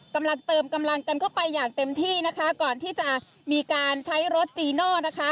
กำลังเติมกำลังกันเข้าไปอย่างเต็มที่นะคะก่อนที่จะมีการใช้รถจีโน่นะคะ